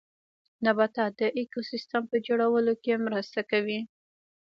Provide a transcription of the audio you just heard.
نباتات د ايکوسيستم په جوړولو کې مرسته کوي